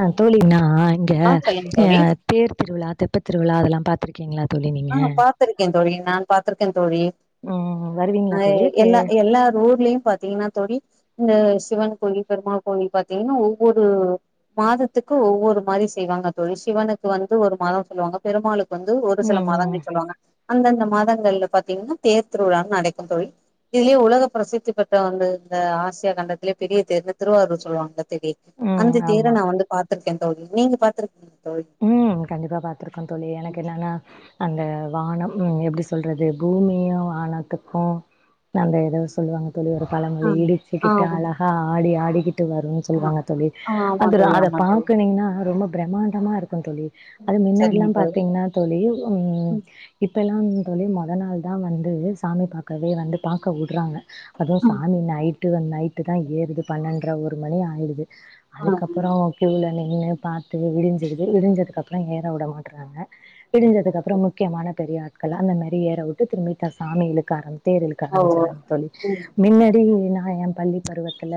அ தோழி நா இங்க ஆ சொல்லுங்க தோழி தேர் திருவிழா தெப்ப திருவிழா அதெல்லாம் பாத் திருக்கீங்களா தோழி நீங்க பாத்துருக்கேன் தோழி நான் பாத்துருக்கேன் தோழி ம் வருவீங்களா அ தோழி? தே எல்லா எல்லா ஊர்லயும் பாத்தீங்கன்னா தோழி இந்த சிவன் கோவில் பெருமாள் கோவில் பாத்தீங்கன்னா ஒவ்வொரு மாதத்துக்கு ஒவ்வொரு மாதிரி செய்வாங்க தோழி சிவனுக்கு வந்து ஒரு மாதம் சொல்லுவாங்க பெருமாளுக்கு வந்து ஒரு ம் சில ம் மாதங்கள் சொல்லுவாங்க அந்தந்த மாதங்கள்ல பாத்தீங்கன்னா தேர் திருவிழான் நடக்கும் தோழி இதுலயே உலக பிரசித்தி பெற்ற வந்த இந்த ஆசியா கண்டத்திலயே பெரிய தேர்ன்னு திருவாரூர் சொல்லுவாங்க தெரி ம். அந்த ஆமா. தேர நா வந்து பாத்துருக்கேன் தோழி நீங்க பாத்துருக்கிங்களா தோழி ம் கண்டிப்பா பாத்திருக்கோம் தோழி எனக்கு என்னன்னா அந்த வானம் உ எப்படி சொல்றது பூமியும் வானத்துக்கும் அந்த ஏதோ சொல்லுவாங்க தோழி ஒரு ஆ பழமொழி இடிச்சுக்கிட்டு ஆமா அழகா ஆடி ஆடிக்கிட்டு வரும் ஆமா சொல்லுவாங்க தோழி ஆமா அதுல தோழி அதை ஆமா தோழி பாக்கனீங்கன்னா ரொம்ப பிரம்மாண்டமா இருக்கும் தோழி அது சரிங்க முன்னாடிலாம் தோழி பாத்தீங்கன்னா தோழி உம் இப்பல்லாம் தோழி மொத நாள் தான் வந்து சாமி பாக்கவே வந்து பாக்க விடுறாங்க அதுவும் சாமி நைட்டு நைட்டு தான் ஏறுது பன்னெண்ற ஒரு மணி ஆயிடுது ஆ அதுக்கப் அப்ரோ க்யூவ்ல நின்னு பாத்து விடிஞ்சிருது விடிஞ்சதுக்கப்புறோ ஏற வுட மாட்றாங்க விடிஞ்சதுக்கப்பறோ முக்கியமான பெரிய ஆட்களா அந்த மாறி ஏற உட்டு திரும்பி சாமி இலுக்க ஆரம்பி தேர் இழுக்க ஓ ஆரம்பிச்சிருவாங்க தோழி ம் மின்னாடி நா என் பள்ளி பருவத்துல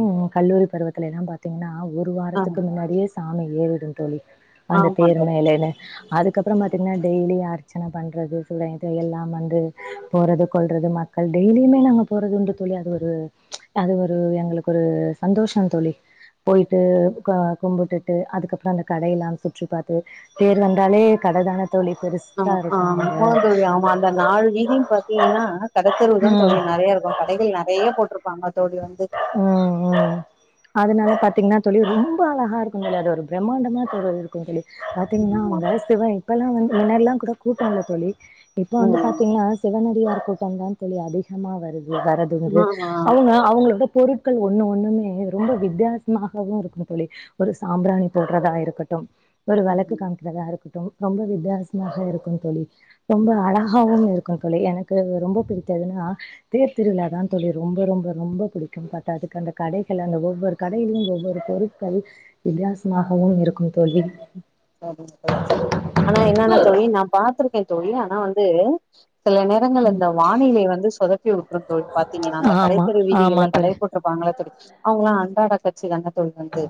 ம் கல்லூரி பருவத்துலலாம் பாத் பாத்தீங்கன்னா ஒரு ஆ வாரத்துக்கு முன்னாடியே சாமி ஏறிடும் தோழி அந்த ஆமா தேர் தோழி மேலைல அதுக்கப்புறோ பாத்தீங்கன்னா டெய்லி அர்ச்சன பன்றது இது எல்லாம் வந்து போறது கொல்ரது ம க்கள் டெய்லியுமே நாங்க போறதுண்டு தோழி அது ஒரு அது ஒரு எங்களுக்கு ஒரு சந்தோஷம் தோழி போயிட்டு கும்புடுட்டு அதுக்கப்புறோ அந்த கடையில்லா சுற்றி பாத்து தேர் வந்தாலே கடதான தோழி பெருசு ஆமா ஆ ஆமா தோழி ஆமா அந்த நாலு வீதியும் பாத்தீங்கன்னா கடத்தெருவு தா ம். தோழி நெறைய இருக்கும் கடைகள் நெறைய போட்ருப்பாங்க தோழி வந்து உம் உம் அதனால பாத்தீங்கன்னா தோழி ரொம்ப அழகா இருக்கும் தோழி அது ஒரு பிரம்மாண்டமா தோழி உங்களுக் பாத்தீங்னா ஆமா உங்க சிவா இப்பெல்லா வந்து முன்னாடில்லா கூட கூப்டாங்ளா தோழி இப்ப வந்து ம் பாத்தீங்னா சிவனடியார் கூட்டம் தா தோழி அதிகமா வருது வேற ஏதுவுல்ல ஆமா அவுங்க அவுங்களோட பொருட்கள் ஒன்னு ஒன்னுமே ரொம்ப வித்தியாசமாகவு இருக்கும் தோழி ஒரு சாம்ராணி போட்றதா இருக்கட்டும் ஒரு வெளக்கு ம் காமிக்கறதா இருக்கட்டும் ரொம்ப வித்தியாசமாக இருக்கும் தோழி ரொம்ப அழகாவும் இருக்கும் தோழி எனக்கு எனக்கு ரொம்ப பிடித்ததுனா தேர் திருவிழா தான் தோழி ரொம்ப ரொம்ப ரொம்ப புடிக்கும் பாத்தாதுக்கு அந்த கடைகள் அந்த ஒவ்வொரு கடையிலயும் ஒவ்வொரு பொருட்கள் வித்தியாசமாகவும் இருக்கும் தோழி ஆனா என்னான்னா தோழி நா பாத்திருக்கே தோழி ஆனா வந்து சில நேர நேரங்கள்ல அந்த வானிலை வந்து சொதப்பிவுட்ரும் தோழி பாத்தீங்கனா அந்த ஆமா, கடைத்தெரு ஆமா வீதிகள்ல கடை தோழி. பொ இருப்பாங்கள்ல தோழி அவுங்கள்லா அன்றாட காட்சி தான தோழி வந்து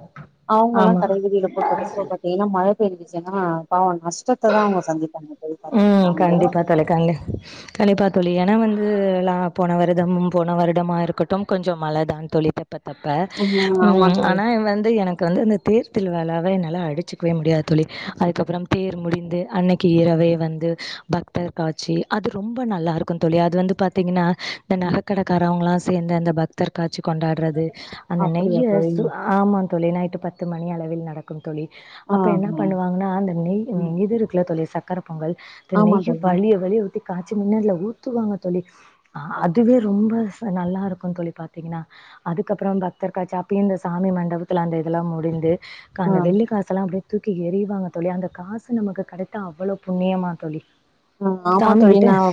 அவுங்கள்லா ஆமா. கடை வீதில போட்டு [unintelligible] இப்டிலா மழ பெஞ்சின்னா பாவோ நஷ்டத்த தா அவுங்க சந்திப்பாங்க தோழி பாத்தீங்கன்னா ம் வந்து கண்டிப்பா தோழி கண்டிப் கண்டிப்பா தோழி ஏன்னா வந்துலா போன வருதம் போன வருடமா இருக்கட்டும் கொஞ்சம் மழ தான் தோழி பாத்தப்ப ஆமா ம் தோழி ஆனா வந்து எனக்கு வந்து இந்த தேர் திருவிழாவ என்னால அடிச்சுக்கவே முடியாது தோழி அதுக்கப்றம் தேர் முடிந்து அன்னைக்கு இரவே வந்து பக்தர் காட்சி அது ரொம்ப நல்லா இருக்கு தோழி அது வந்து பாத்தீங்கன்னா இந்த ம் நகக்கட காரவங்களா சேந்து அந்த பக்தர் காட்சி கொண்டாட்றது அந்த அப்படியா நெய்ய தோழி சு அ ஆமா தோழி நைட்டு பத்து மணி அளவில் நடக்கு க்கும் தோழி ஆ அப்ப என்ன பண்ணுவாங்கன்னா அந்த நெய் ம் இது இருக்குல தோழி சக்கர பொங்கல் அதுல ஆமா நெய்ய தோழி வலிய வலிய ஊத்தி காய்ச்சி மின்னர்ல ஊத்துவாங்க கோழி அதுவே ரொம்ப அது நல்லா இருக்கு தோழி பாத்திங்கன்னா அதுக்கப்றோ பக்தர்காட்சி அப்பயு இந்த சாமி மண்டபத்துல அந்த இதெல்லாம் முடிந்து ஆ அந்த வெள்ளி காசுல்லா அப்டியே தூக்கி எறிவாங்க கோழி அந்த காசு நமக்கு கடைத்தா அவ்ளோ புண்ணியமா தோழி ம் ஆமா சாமி தோழி நா கிட்ட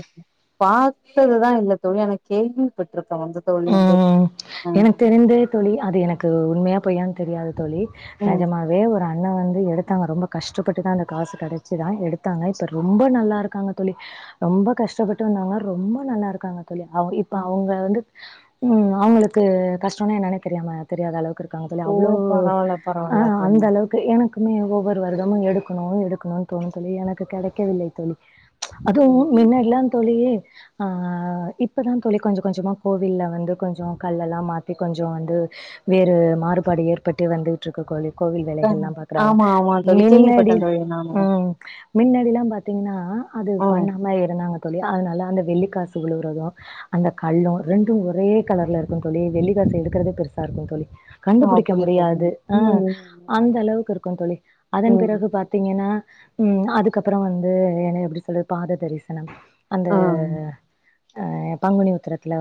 பாத்ததுதா இல்ல தோழி ஆன கேள்விப்பட்டுருக்கே வந்து தோழி வந்து ஆ தெரிந்தே தோழி அது எனக்கு உண்மையா பொய்யான்னு தெரியாது தோழி ம் நெஜமா ஓரே ஒரு அண்ணா வந்து எடுத்தாங்க ரொம்ப கஷ்டப்பட்டு தா அந்த காசு கடச்சி தா எடுத்தாங்க இப்ப ரொம்ப நல்லா இருக்காங்க தோழி ரொம்ப கஷ்டப்பட்டு வந்தாங்க ரொம்ப நல்லா இருக்காங்க தோழி அவ இப்ப ஆ அவுங்க வந்து ம் அவுங்களுக்கு கஷ்டோம்னா என்னானே தெரியாம தெரியாத அளவுக்கு இருக்காங்க தோழி ஓ அவ்ளோ பரவால்ல அ பரவால்ல தோழி அந்த அளவுக் கு எனக்குமே ஒவ்வொரு வருடமு எடுக்கனோ எடுக்கனோனு தோணு தோழி எனக்கு அது கெடைக்கவில்லை தோழி அதுவு ம் மின்னாடில்லா தோழி ஆ இப்பதா தோழி கொஞ்ச கொஞ்சமா கோவில்ல வந்து கொஞ்சோ கல்லெல்லா மாத்தி கொஞ்சோ வந்து வேறு மாறுபாடு ஏற்பட்டு வந்துட்ருக்கு கோழி கோவில் ஆ வேலைகள்லா பாக்குறாங்க ஆமா ஆமா தோழி மின்னடி கேள்விப்பட்டே தோழி நானு ம் மின்னாடில்லா பாத்தீங்கன்னா அது ம் பண்ணமா இருந்தாங்க தோழி அதனால அந்த வெள்ளிக்காசு விழுவறது அந்த கல்லு ரெண்டு ஒரே கலர்ல இருக்கு தோழி வெள்ளிக் காசு எடுக்கறதே பெருசா இருக்கும் தோழி ஓ கண்டுபுடிக்க அப்படியா தோழி முடியாது அ ம் அந்த அளவுக்கு இருக்கு தோழி ம் அதன் ம் பிறகு பாத்தீங்கன்னா ம் அதுக்கப்றோ வந்து என்ன எப்புடி சொல்றது பாத தரிசனம் அந்த ஆ அ பங்குனி உத்திரத்துல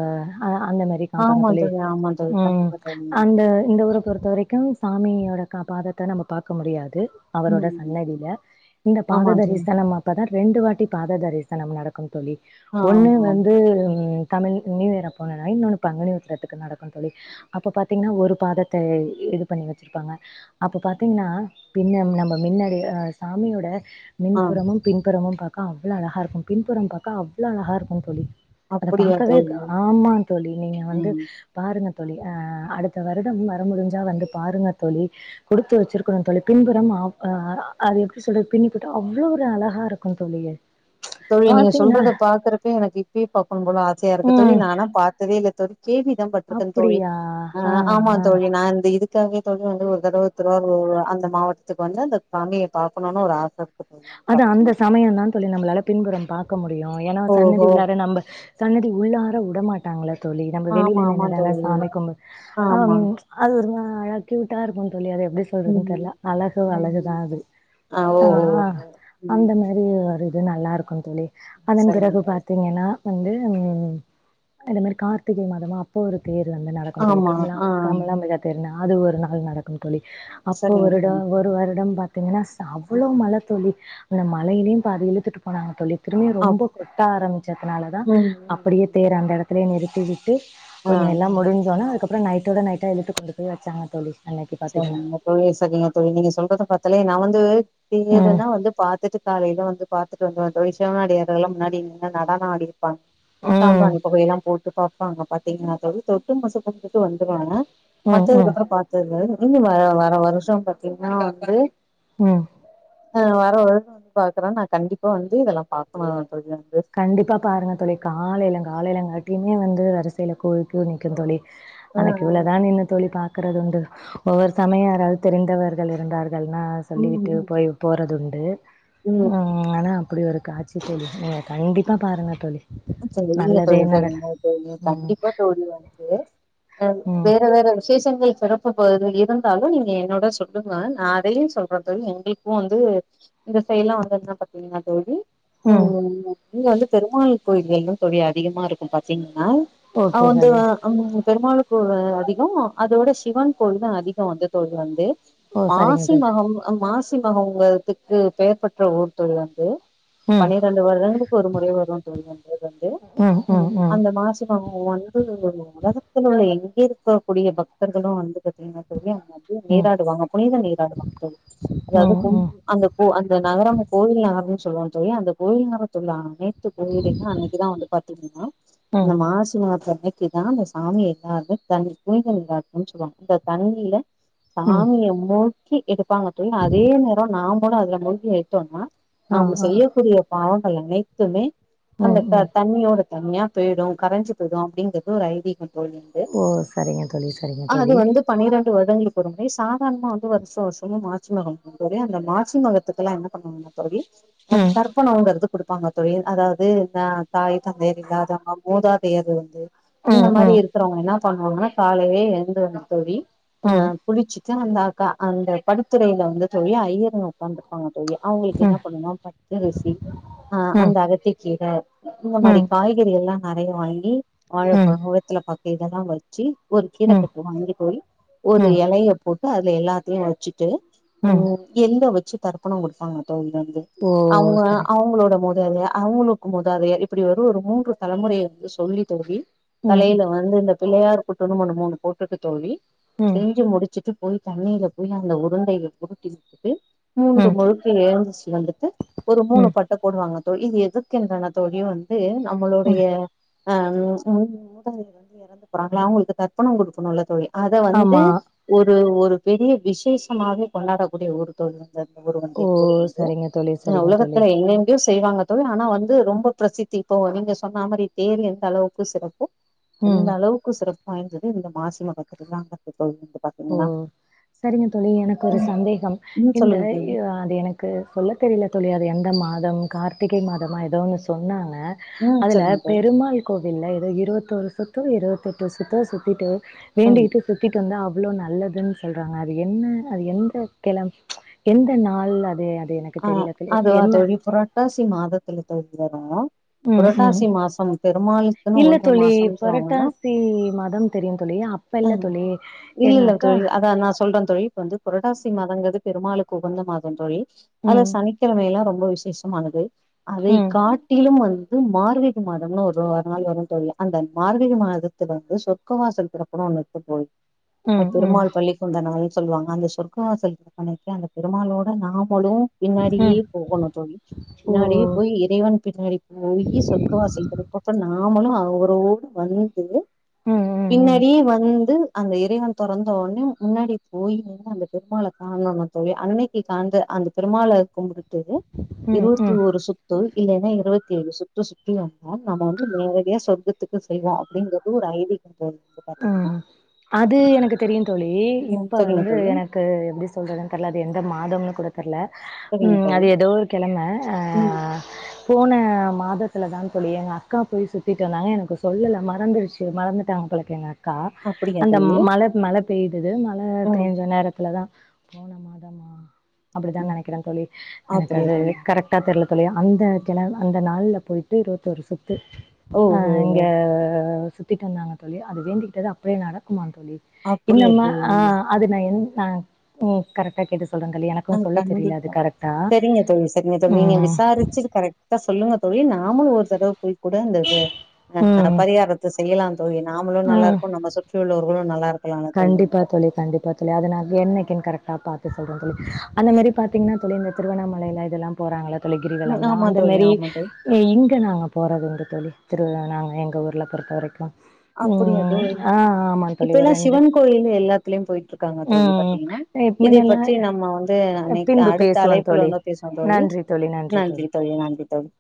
அ அந்த மாரி வெளிய காம்பாங்க ஆமா தோழி ஆமா தோழி ம் கண்டிப்பா தோழி அந்த இந்த ஊர பொறுத்தவரைக் கல் சாமியோட பாதத்த நம்ம பாக்க முடியாது அவரோட ம் சன்னதியில இந்த ஆமா பாத தோழி தரிசனம் அப்பதா ரெண்டு வாட்டி பாத தரிசனம் நடக் ககும் தோழி ஒன்னு ஆமா ஆமா வந்து தமிழ் நியூ இயர் அப்போனா இன்னொன்னு பங்குனி உத்தரத்துக்கு நடக்கு தோழி அப்ப பாத்தீங்கன்னா ஒரு பாதத்த இது பண்ணி வெச்சிருப்பாங்க அப்ப பாத்தீங்கன்னா பின்ன நம்ம மின்னாடி அ சாமியோட ஆ மின்புறமு பின்புறமும் பாக்க அவ்ளோ அழகா இருக்கும் பின்புறம் பாக்க அவ்ளோ அழகா இருக்கும் தோழி அத அப்படியா பாக்கவே தோழி ஆமா தோழி நீங்க வந்து ம் பாருங்க தோழி அ அடுத்த வருடம் வர முடிஞ்சா வந்து பாருங்க தோழி கொடுத்து வச்சிருக்கணு தோழி பின்புறம் அ அது எப்டி சொல்றது பின்புறம் அவ்ளோ ஒரு அழகா இருக்கு க்கு தோழியே தோழி நீங்க சொல்ரத பாக்குரப்பே எனக்கு இப்பயே பாக்கனு போல ஆசயா இருக்கு தோழி ம் நான்னா பாத்ததே இல்ல தோழி கேள்விதா பட்டுருக்கன் தோழி அப்டியா ஆ ஆமா தோழி நா இந்த இது க்காக தோழி வந்து ஒரு தடவ திருவாதவூர் அந்த மாவட்டத்துக்கு வந்து அந்த சாமிய பாக்கணுன்னு ஒரு ஆசை அதா அந்த சமயம்தா தோழி நம்மளால பின்புறம் பாக்க முடியும் ஏனா சன்னதி ஓஹோ உள்ளார நம்ம சன்னதி உள்ளார உடமாட்டாங்களா தோழி நம்ம ஆமா வெளியில ஆமா நின்னுதானே தோழி சாமி கும்பு அ ஆமா அது ஒரு மா கியூட்டா இருக்கு தோழி அது எப்டி சொ ல்றதுன் தெர்ல ம் அழகு ம் அழகுதா அது ஆ அ ஓஹோ அ ம் அந்த மாறி ஒரு இது நல்லா இருக்கு தோழி அதன் சரிங்க பிறகு தோழி பாத்தீங்கன்னா வந்து ம் இந்த மாறி கார்த்திகை மாதமா இப்ப ஒரு தேர் வந்து நடக்கும் தோழி ஆமா கமலா ஆ கமலாமிக தேர்னு அது ஒரு நாள் நடக் கும் தோழி அப்போ சரிங்க வருட தோழி ஒரு வருடம் பாத்தீங்கன்னா செ அவ்ளோ மழை தோழி அந்த மழையிலையும் பாதி இழுத்துட்டு போனாங்க தோழி திரும்பியு அப் ரொம்ப கொட்ட ஆரம்பிச்சதுனாலதா ம் ம் அப்படியே ம் தேர அந்த இடத்துலயே நிறுத்தி விட்டு ஆ கொஞ்ச எல்லாம் முடிஞ்சோன்ன அதுக்கு அப் றோ நைட்டோட நைட்டா இழுத்து கொண்டு போய் வச்சாங்க தோழி அன்னைக்கு பாத்தீங்கன்னா. சரிங்க தோழி சரிங்க தோழி நீங்க சொல்றத பாத்தாலே நா வந்து தேரலா ம் தா வந்து பாத் துட்டு காலையில வந்து பாத்துட்டு வந்தோ தோழி சிவன் அடியார்கள்லா முன்னாடி நிண்டு நடன ஆடி தா ம் சாம்பராணி புகையைல்லா போட்டு பாப்பாங்க பாத்தீங்கன்னா தோழி தொட்டு [unintelligible] கொண்டுட்டு வந்துடுவோ ம் மத்தது ம் பாத்தினா பாத்தது இல்ல இது வந்து வர வர வருஷம் பாத்தீங்கன்னா வந்து ம் அ வர வருஷம் வந்து பாக்குறே நா கண்டிப்பா வந்து இதெல்லா பாக்கணு தோழி வந்து கண்டிப்பா பாருங்க தோழி காலையில காலையிலங்காட்டியுமே வந்து வரிசையில கோவில் க்யூ நிக்கு தோழி ஆ அங்க ஆ க்யூலதா நின்னு தோழி பாத் க்கிறது உண்டு ஒவ்வொரு சமயம் யாராவது தெரிந்தவர்கள் இருந்தார்கள்ன்னா ம் சொல்விட்டு ம் போயி போறதுண்டு ம் அதா அப்டி ஒரு காட்சி தோழி நீங்க கண்டிப்பா பாருங்க தோழி செரிங்க நல்லதே தோழி நடக்கு சரிங்க தோழி ம் கண்டிப்பா தோழி வந்து ம் வேற வேற விசேஷங்கள் சிறப் பா போயிரு இருந்தாலு நீங்க என்னோட சொல்லுங்க நா அதையு சொல்றன் தோழி எங்களுக்கு வந்து இந்த செயல்லா அங்கங்க பாத்தீங்கன்னா தோழி ம் ம் இங்க வந்து பெருமாள் கோயில்கள்தா தோழி அதிகமா இருக் கும் பாத்திங்கன்னா அங்க ஓகே வந்து தோழி. பெருமாள் கோயில் அதிகோ அதோட சிவன் கோயிலு அதிக வந்து தோழி வந்து ஓ சரிங்க மாசி தோழி. மகம் மாசி மக உங்கத்துக்கு பெயர் பெற்ற ஊர் தோழி வந்து ம் பன்னிரண்டு வருடங்களுக்கு ஒரு முறை வரு தோழி வந்த இது வந்து ம் உ ம் ம் அந்த மாசி மாதோ வந்து உலகத்துல உள்ள எங்கே இருக்கக்கூடிய பக்தர்களு வந்து பாத்தீங்கனா பெரியவங்க வந்து ம் நீராடுவாங்க புனித நீராடுவாங்க தோழி அதாவது ம் ம் கொம்பு அங்க ஓ அந்த நகரம் கோவில் நகரம்ன் சொல்லுவாங்க தோழிஅந்த கோவில் நகரத்துள்ளாமே து கோயிலயு அன்னக்கு தா வந்து பாத்தீங்கன்னா அந்த ம் மாசி மகத்தன்னைக் சி தா அந்த சாமிய எல்லாமே தண்ணி குனிந்தல் நல்லாட்டும்ன் சொல்லுவாங்க அந்த தண்ணியில ம் சாமிய மூக்கி எடுப்பாங்க தோழி அதே நேரோ நாமலு அதுல மூழ்கி எடுத்தோனா ஆ நாம ஆ செய்யக்கூடிய பாவங்கள் அனைத்துமே அந்த ம் த ம் தண்ணியோட தண்ணியா போய்டு கரஞ்சி போய்டு அப்படிங்கறது ஒரு ஐதீகோ தோழி ஓ சரிங்க தோழி சரிங்க தோழி பணிரண்டு வருடங்களுக்கு ஒருமுறை சாதாரணமா வந்து வருஷ வருஷமா மார்ச் மாதோ தோழி அந்த மாசி மகத்துக்கெல்லா என்ன பண்ணுவாங்கனா தோழி அ ம் தர்ப்பணம்ங்கறத குடுப்பாங்க தோழி அதாவ் து தா தாய் தந்தையர் இல்லாதவங்க மூதாதையர் இருந்து இந்த ம் மாரி ம் இருக் கறவங்க என்னா பண்ணுவாங்கனா காலைலயே எழுந்துறுனு தோழி ம் குளிச்சிட்டு வந்தாக்கா அந்த படித்துறையில வந்து தோழி ஐய்யருங்க உக்காந்துரு ப்பாங்க தோழி அவுங்களுக்கு ம் என்ன பண்னுனா பச்சரிசி அ ம் அந்த அகத்தி கீர இந்த மாரி ம் காய்கறிகள்லா நெறைய வாங்கி [unintelligible] துல பத்து இதெல்லா வச்சி ஒரு கீர ம் ம் கட்டு வாங்கிட் போயி ஒரு ம் எலைய போட்டு அதுல எல்லாத்தையு வச்சிட்டு அ ம் எங்க வச்சி தர்ப்பணம் குடுப்பாங்க தோவிலந்து ஓ அவுங்க சரி அவுங்களோட மோதர்து அவுங்ளு மூதாதையர் இப்டி ஒரு ஒரு மூன்று தலைமுறைய வந்து சொல்லி தோழி ம் தலையில வந்து இந்த பிள்ளையார் கூட்டு வந்து ஒன்னு மூணு போட்டுட்டு தோழி ம் செஞ்சி முடிச்சிட்டு போய் தண்ணியில போய் அந்த உருண்டையில பொரட்டி விட்டுட்டு மூனு ம் தொம்போது எழுந்துச்சி வந்துட்டு ஒரு மூணு ம் பட்ட போடுவாங்க தோழி இது எதுக்கென்னனா தோழி வந் தே நம்மளுடைய ம் அ மூதாதி மூதாதியர் வந்து எறந்து போறாங்களா அவுங்களுக்கு தர்பணோ குடுக்கனுல்ல தோழி அத வந்து ஆமா ஒரு ஒரு பெரிய விசேஷமாவே கொண்டாடக்கூடிய ஒரு தோழி வந்ததா ஊரு வந்து ஓ ஊரு வந்து சரிங்க தோழி அ சரிங்க தோழி உலகத்துல எங்கெங்யோ செய்வாங்க தோழி ஆனா வந் து ரொம்ப பிரசித்தி இப்போ நீங்க சொன்ன மாரி தேர் எந்த அளவுக்கு சிறப்போ ம் அந்த அளவுக்கு சிறப் வாய்ந்தது இந்த மாசி மகத்தத்துக்கு தா கண்டிப்பா [unintelligible] ஓ சரிங்க தோழி எனக்கு ஒரு ம் சந்தேகம் ம் இந்த சொல்லுங்க தோழி அ அது எனக்கு சொல்ல தெரியில தோழி அது எந்த மாதம் கார்த்திகை மாதமா ஏதோன்னு சொன்னாங்க ம் அதுல சொல்லுங்க தோழி பெருமாள் கோவில்ல ஏதோ இருவத்தோரு சுத்தோ இருவத்தெட்டு சுத்தோ சுத்திட்டு ம் வேண்டிகிட்டு சுத்திட்டு வந்தா அ வ்ளோ நல்லதுன் சொல்றாங்க அது என்ன அது எந்த கெழ எந்த நாள் அது அத் ஆ அதுவா தோழி புரட்டாசி மாதத்துல தொவங்கி வரு ம் ம் புரட்டாசி மாசம் பெருமாளுக்குனு இல்ல உகுந்த தோழி மாசம் சொல்வாங்கன்னா புரட்டாசி மாதம் தெரியு தோழி அப்ப இல்ல ம் தோழி இல்ல எங்க இல்ல அக்கா தோழி அதா நா சொல்ற தோழி இப்ப வந்து புரட்டாசி மாதங்கிறது பெருமாளுக்கு உகுந்த மாதம் தோழி அதுல ம் சனி கெழமையல்லா ரொம்ப விசேஷமானது அதை ம் காட் டிலும் வந்து மார்கழி மாதம்னு ஒரு நாள் வரும் தேழி அந்த மார்கழி மாதத் துல வந்து சொர்கவாசல் திறப்புனு ஒன்னு [unintelligible] போய் அ ம் ம் பெருமாள் பள்ளி சொந்த நாள் சொல்லுவாங்க அந்த சொர்க வாாசல் திறப்பு அன்னைக்கே அந்த பெருமாளோட நாமளு பின்னாடியே ம் போகணு தோழி ஓ பின்னாடியே போய் ஏ தெய்வான பின்னாடி போயி சொர்க்க வாசல் திறப்பப்ப நாமளு அவரோடு வந்து ம் ம் ம் பின்னாடியே வந்து அந்த இறைவன் தொறந்தோனெ முன்னாடி போய் நின்னு அந்த பெருமாளை காணனு தோழி அன்னைக்குசாந்து அந்த பெருமாள கும்ட்டுட்டு ம் இருஓத்தி ம் ஓரு சுத் து இல்லன்னா இருபத்தி ஏழு சுத்து சுத்தி வந்தா நம்ம வந்து நேரடியா சொர்கத்துக்கு செல்வோ அப்டிங்கிறது ஒரு ஐதிக போல அ அது எனக்கு தெரியு தோழி ம் இப்ப சரிங்க வந்து தோழி எனக் க்கு எப்டி சொல்றதுன்னு தெரில அது எந்த மாதம்னு கூட தெர்ல சரிங்க ம் தோழி அது எதோ ஒரு கெழம ஆ ம் போன மாதத்துல தா தோழி எங்க அக்கா போய் சுத்திட்டு வந்தாங்க எனக்கு சொல்லல மறந்துருச்சு டு மறந்துட்டாங்க போல எங்கக்கா அப்படியா அந்த தோழி மழ மழ பெய்துது மழ ம் பேஞ்ச நேரத்துலதா போன மாதமா அப்டிதா ம் நெனைக்கிற தோழி எனக்கு அப்படியா அது தோழி கரெக் பேப்பர்ல தோழி அந்த கெழ அந்த நாள்ல போயிட்டு இருவத்தி ஓர் சுத்து ஆ ஓஹோ இங்க சுத்திட்டு வந்தாங்க தோழி அது வேண்டிக்கிட்டது அப்டியே நடக்குமா தோழி இல்ல அப்படியா இல்ல தோழி ஆ அது நா என் நா ம் கரெக்டா கேட்டு சொல்றே கலி எனக்கு ஆ கண்டிப்பா செரிங்க தோழி செரிங்க தோழி நீங்க ம். விசாரிச்சுட் கரெக் டா சொல்லுங்க தோழி நாமுலு ஒரு தடவ போய் கூட அந்த ஆ ம். பரிகாரத்த செய்யலா தோழி நாமளும் நல்லா ம். இருக்கனு நம்ம சுற்றியுள்ளவர்களும் நல்லா இருக்கனு கண்டிப்பா தோழி கண்டிப்பா தோழி அதுனா என்னைக்கு கரெக்டா பாத்து சொல்றே தோழி ம் அந்த மாரி சரி. பாத் தீங்கன்னா தோழி இந்த திருவண்ணாமலையில இதெல்லாம் போறாங்களா தோழி ம். கிரிவலம்லா ஆமா அந்த தோழி மாரி ஆமா தோழி ஏ இங்கே நாங்க போறதுண்டு தோழி திருவிழா நாங்க எங்க ஊரில பொறுத்த வரைக்கு அப்படியா ம் ஆ ஆமாங்க தோழி ஒரு ரெண்டு கோயிலு எல்லாத்திலயு போயிட் இருக்கு காங்க தோழி பாத்தீங்கன்னா இதை முன்னெல்லாம் பற்றி நம்ம வந்து பின்பு அடுத்த பேசுவோம் தோழி. அழைப்புல பேசுவோ தோழி நன்றி தோழி நன்றி தோழி